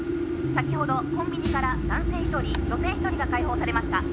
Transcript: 先ほどコンビニから男性１人女性１人が解放されました」